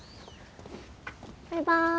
バイバーイ。